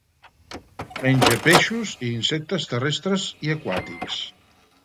Menja peixos i insectes terrestres i aquàtics.